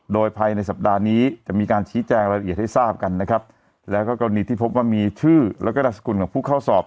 โดยภายในสัปดาห์นี้จะมีการชี้แจงรายละเอียดให้ทราบกันนะครับแล้วก็กรณีที่พบว่ามีชื่อแล้วก็นามสกุลของผู้เข้าสอบ